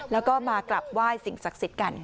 แล้วก็มากลับไหว้สิ่งศักดิ์สิทธิ์กัน